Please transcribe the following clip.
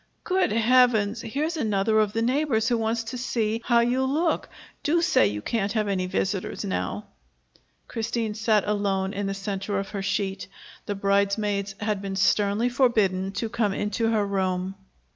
"Good Heavens! Here's another of the neighbors who wants to see how you look. Do say you can't have any visitors now." Christine sat alone in the center of her sheet. The bridesmaids had been sternly forbidden to come into her room.